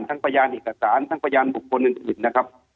ทั้งประหยัดเอกสารทั้งประหยัดบุคคลอื่นนะครับ